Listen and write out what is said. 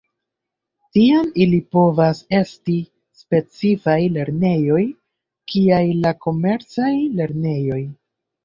Tiam ili povas esti specifaj lernejoj kiaj la komercaj lernejoj.